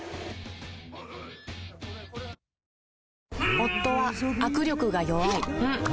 夫は握力が弱い